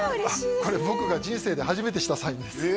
これ僕が人生で初めてしたサインですえ！